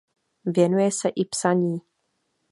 Věnuje se i psaní.